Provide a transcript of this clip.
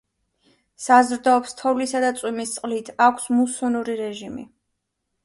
საზრდოობს თოვლისა და წვიმის წყლით, აქვს მუსონური რეჟიმი.